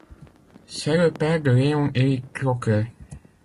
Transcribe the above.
C'est le père de Léon-Eli Troclet.